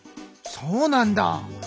そうなんだ！